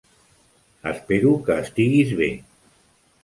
Espero que estiguis bé!